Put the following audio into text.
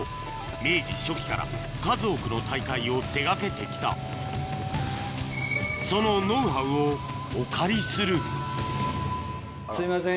明治初期から数多くの大会を手掛けて来たそのノウハウをお借りするすいません